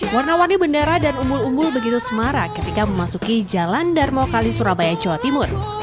warna warni bendera dan umbul umbul begitu semarak ketika memasuki jalan darmo kali surabaya jawa timur